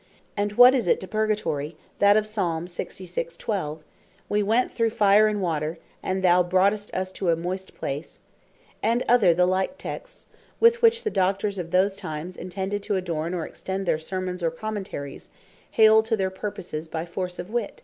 And what is it to Purgatory, that of Psalme, 66. 12. "Wee went through fire and water, and thou broughtest us to a moist place;" and other the like texts, (with which the Doctors of those times entended to adorne, or extend their Sermons, or Commentaries) haled to their purposes by force of wit?